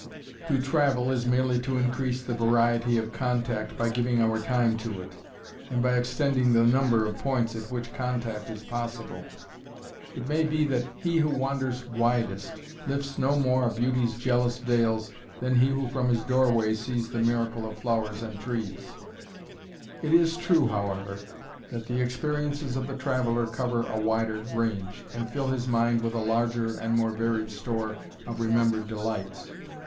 To travel is merely to increase the variety of contact by giving our time to it, and by extending the number of points at which contact is possible. It may be that "he who wanders widest, lifts no more of beauty's jealous veils than he who from his doorway sees the miracle of flowers and trees." It is true, however, that the experiences of the traveler cover a wider range and fill his mind with a larger and more varied store of remembered delights.